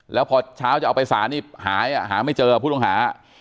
แล้วพอเช้าจะเอาไปสารนี่หายอ่ะหาไม่เจอพุทธฮา